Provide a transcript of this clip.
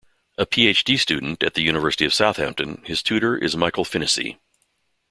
A Phd student at the University of Southampton, his tutor is Michael Finnissy.